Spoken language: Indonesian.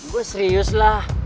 gua serius lah